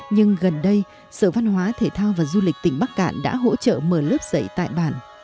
nhưng gần đây sở văn hóa thể thao và du lịch tỉnh bắc cạn đã hỗ trợ mở lớp dạy tại bản